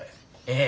ええ。